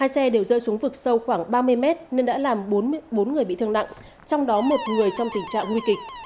hai xe đều rơi xuống vực sâu khoảng ba mươi mét nên đã làm bốn người bị thương nặng trong đó một người trong tình trạng nguy kịch